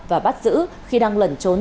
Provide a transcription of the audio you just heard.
và bắt giữ khi đang lẩn trốn